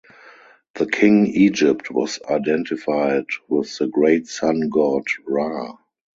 The king Egypt was identified with the great sun-god Ra.